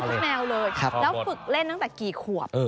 แล้วฝึกเล่นตั้งแต่กี่ขวบ